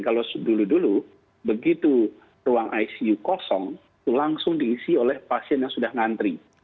kalau dulu dulu begitu ruang icu kosong itu langsung diisi oleh pasien yang sudah ngantri